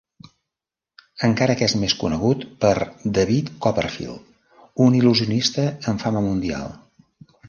Encara que és més conegut per David Copperfield, un il·lusionista amb fama mundial.